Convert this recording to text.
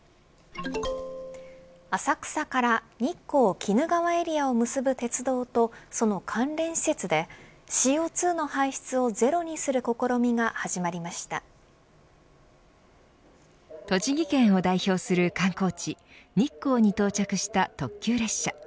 浅草から日光・鬼怒川エリアを結ぶ鉄道とその関連施設でＣＯ２の排出をゼロにする試みが栃木県を代表する観光地日光に到着した特急列車。